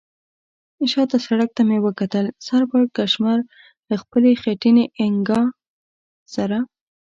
شا ته سړک ته مې وکتل، سر پړکمشر له خپلې خټینې انګیا سره.